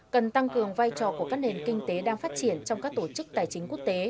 cần tăng cường vai trò của các nền kinh tế đang phát triển trong các tổ chức tài chính quốc tế